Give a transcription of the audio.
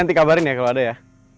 nanti kabarin ya kalau ada ya